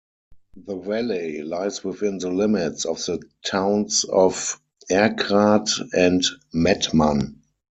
The valley lies within the limits of the towns of Erkrath and Mettmann.